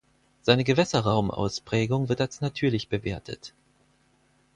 Seine Gewässerraumausprägung wird als natürlich bewertet.